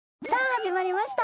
始まりました。